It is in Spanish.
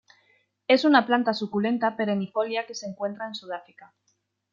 Es una planta suculenta perennifolia que se encuentra en Sudáfrica.